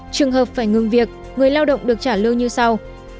trường hợp phải ngừng việc người lao động được trả lương như sau